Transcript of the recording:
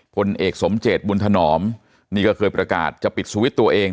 พลเอกสมเจตบุญถนอมนี่ก็เคยประกาศจะปิดสวิตช์ตัวเอง